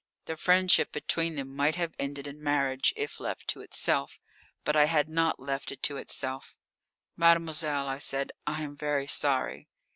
The friendship between them might have ended in marriage if left to itself. But I had not left it to itself. "Mademoiselle," I said, "I am very sorry."